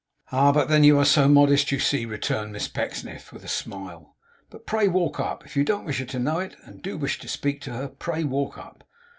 'Ah, but then you are so modest, you see,' returned Miss Pecksniff, with a smile. 'But pray walk up. If you don't wish her to know it, and do wish to speak to her, pray walk up.